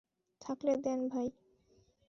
থাকলে দেন, ভাই।